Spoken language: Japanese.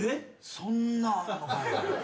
そんな。